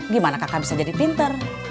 gimana kakak bisa jadi pinter